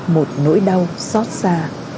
một nỗi đau xót xa